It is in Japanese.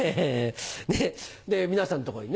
で皆さんのところに。